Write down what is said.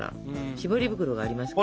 しぼり袋がありますから。